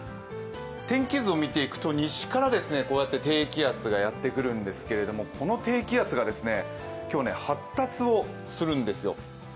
天気図を見ていくと西からこうやって低気圧がやってくるんですけれどもこの低気圧が今日、発達をするんですよ。